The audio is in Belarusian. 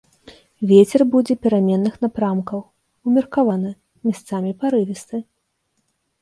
Вецер будзе пераменных напрамкаў, умеркаваны, месцамі парывісты.